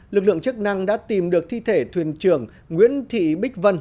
lực lượng chức năng đã tìm được thi thể thuyền trưởng nguyễn thị bích vân